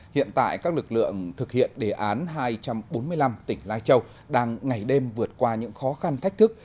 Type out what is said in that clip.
hiện tại các lực lượng thực hiện đề án hai trăm bốn mươi năm tỉnh lai châu đang ngày đêm vượt qua những khó khăn thách thức